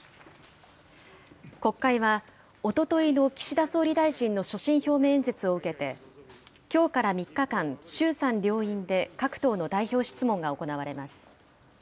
国会は、おとといの岸田総理大臣の所信表明演説を受けて、きょうから３日間、衆参両院で各党の代表質問が行われます。